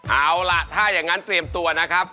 เอาล่ะถ้าอย่างนั้นเตรียมตัวนะครับ